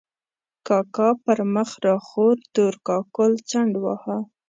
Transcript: کاکا پر مخ را خور تور کاکل څنډ واهه.